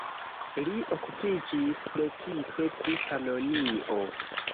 Li okupiĝis precipe pri Panonio.